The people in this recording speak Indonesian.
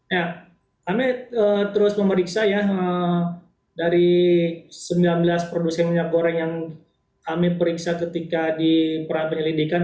ya kami terus memeriksa ya dari sembilan belas produsen minyak goreng yang kami periksa ketika di pra penyelidikan